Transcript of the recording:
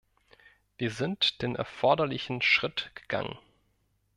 Wir sind den erforderlichen Schritt gegangen.